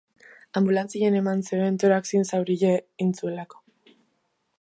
Anbulantzian eraman zuten, toraxean zauria egin zuelako.